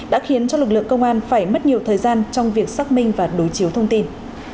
đã khiến cho lực lượng công an phải mất nhiều thời gian trong việc xác minh và đối chiếu thông tin